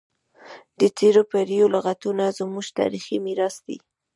د تیرو پیړیو لغتونه زموږ تاریخي میراث دی.